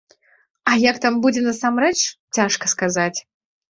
А як там будзе насамрэч, цяжка сказаць.